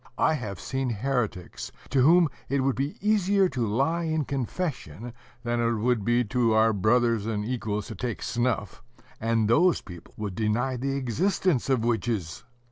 I have seen heretics, to whom it would be easier to lie in confession than it would to our brothers and equals to take snuff, and those people would deny the existence of witches!